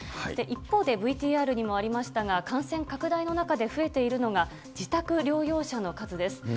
一方でＶＴＲにもありましたが、感染拡大の中で増えているのが、自宅療養者の数です。